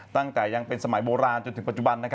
ตั้งแต่ยังเป็นสมัยโบราณจนถึงปัจจุบัน